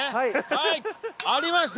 はいありました！